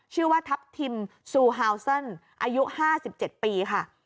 ชื่อว่าทัพทิมซูฮาวเซินอายุห้าสิบเจ็ดปีค่ะ